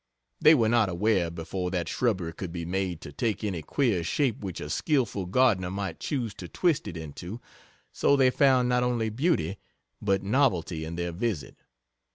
They were not aware before that shrubbery could be made to take any queer shape which a skilful gardener might choose to twist it into, so they found not only beauty but novelty in their visit.